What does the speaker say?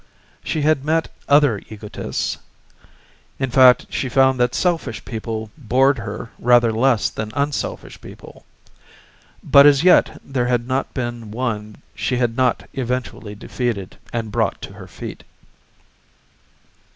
She had met other egotists in fact she found that selfish people bored her rather less than unselfish people but as yet there had not been one she had not eventually defeated and brought to her feet.